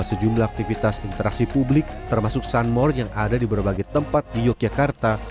sejumlah aktivitas interaksi publik termasuk sunmore yang ada di berbagai tempat di yogyakarta